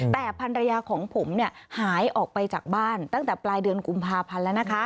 แต่ภรรยาของผมหายออกไปจากบ้านตั้งแต่ปลายเดือนกุมภาพันธ์แล้วนะคะ